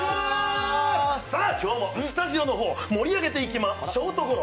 今日もスタジオの方、盛り上げていきまショートゴロ。